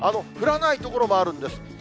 降らない所もあるんです。